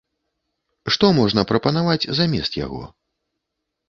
Што можна прапанаваць замест яго?